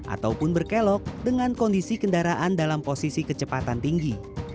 ataupun berkelok dengan kondisi kendaraan dalam posisi kecepatan tinggi